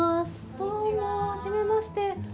どうもはじめまして。